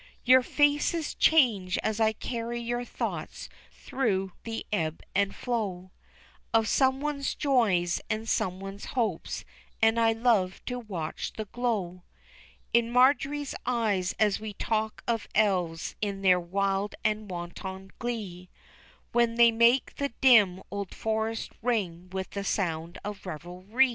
Your faces change as I carry your thoughts through the ebb and flow Of someone's joys, and someone's hopes, and I love to watch the glow In Marjory's eyes as we talk of elves in their wild and wanton glee, When they make the dim old forest ring with the sound of revelry.